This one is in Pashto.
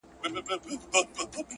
سیاه پوسي ده خاوند یې ورک دی.